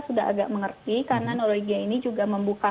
sudah agak mengerti karena norwegia ini juga membuka